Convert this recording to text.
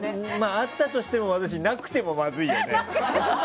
あったとしても私、なくてもまずいよね。